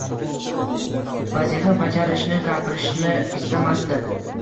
Vazifa bajarishni, gapirishni istamasdim.